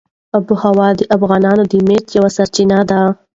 آب وهوا د افغانانو د معیشت یوه سرچینه ده.